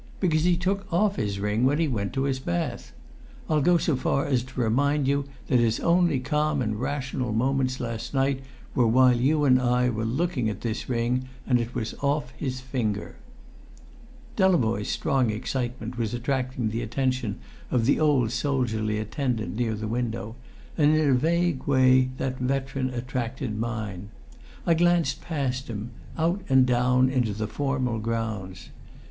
Because he took off his ring when he went to his bath! I'll go so far as to remind you that his only calm and rational moments last night were while you and I were looking at this ring and it was off his finger!" Delavoye's strong excitement was attracting the attention of the old soldierly attendant near the window, and in a vague way that veteran attracted mine. I glanced past him, out and down into the formal grounds.